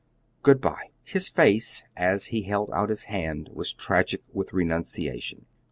Good by!" His face, as he held out his hand, was tragic with renunciation.